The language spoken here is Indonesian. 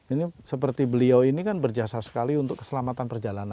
ini seperti beliau ini kan berjasa sekali untuk keselamatan perjalanan